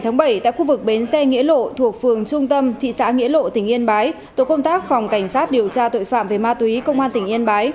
ngày bảy tại khu vực bến xe nghĩa lộ thuộc phường trung tâm thị xã nghĩa lộ tỉnh yên bái tổ công tác phòng cảnh sát điều tra tội phạm về ma túy công an tỉnh yên bái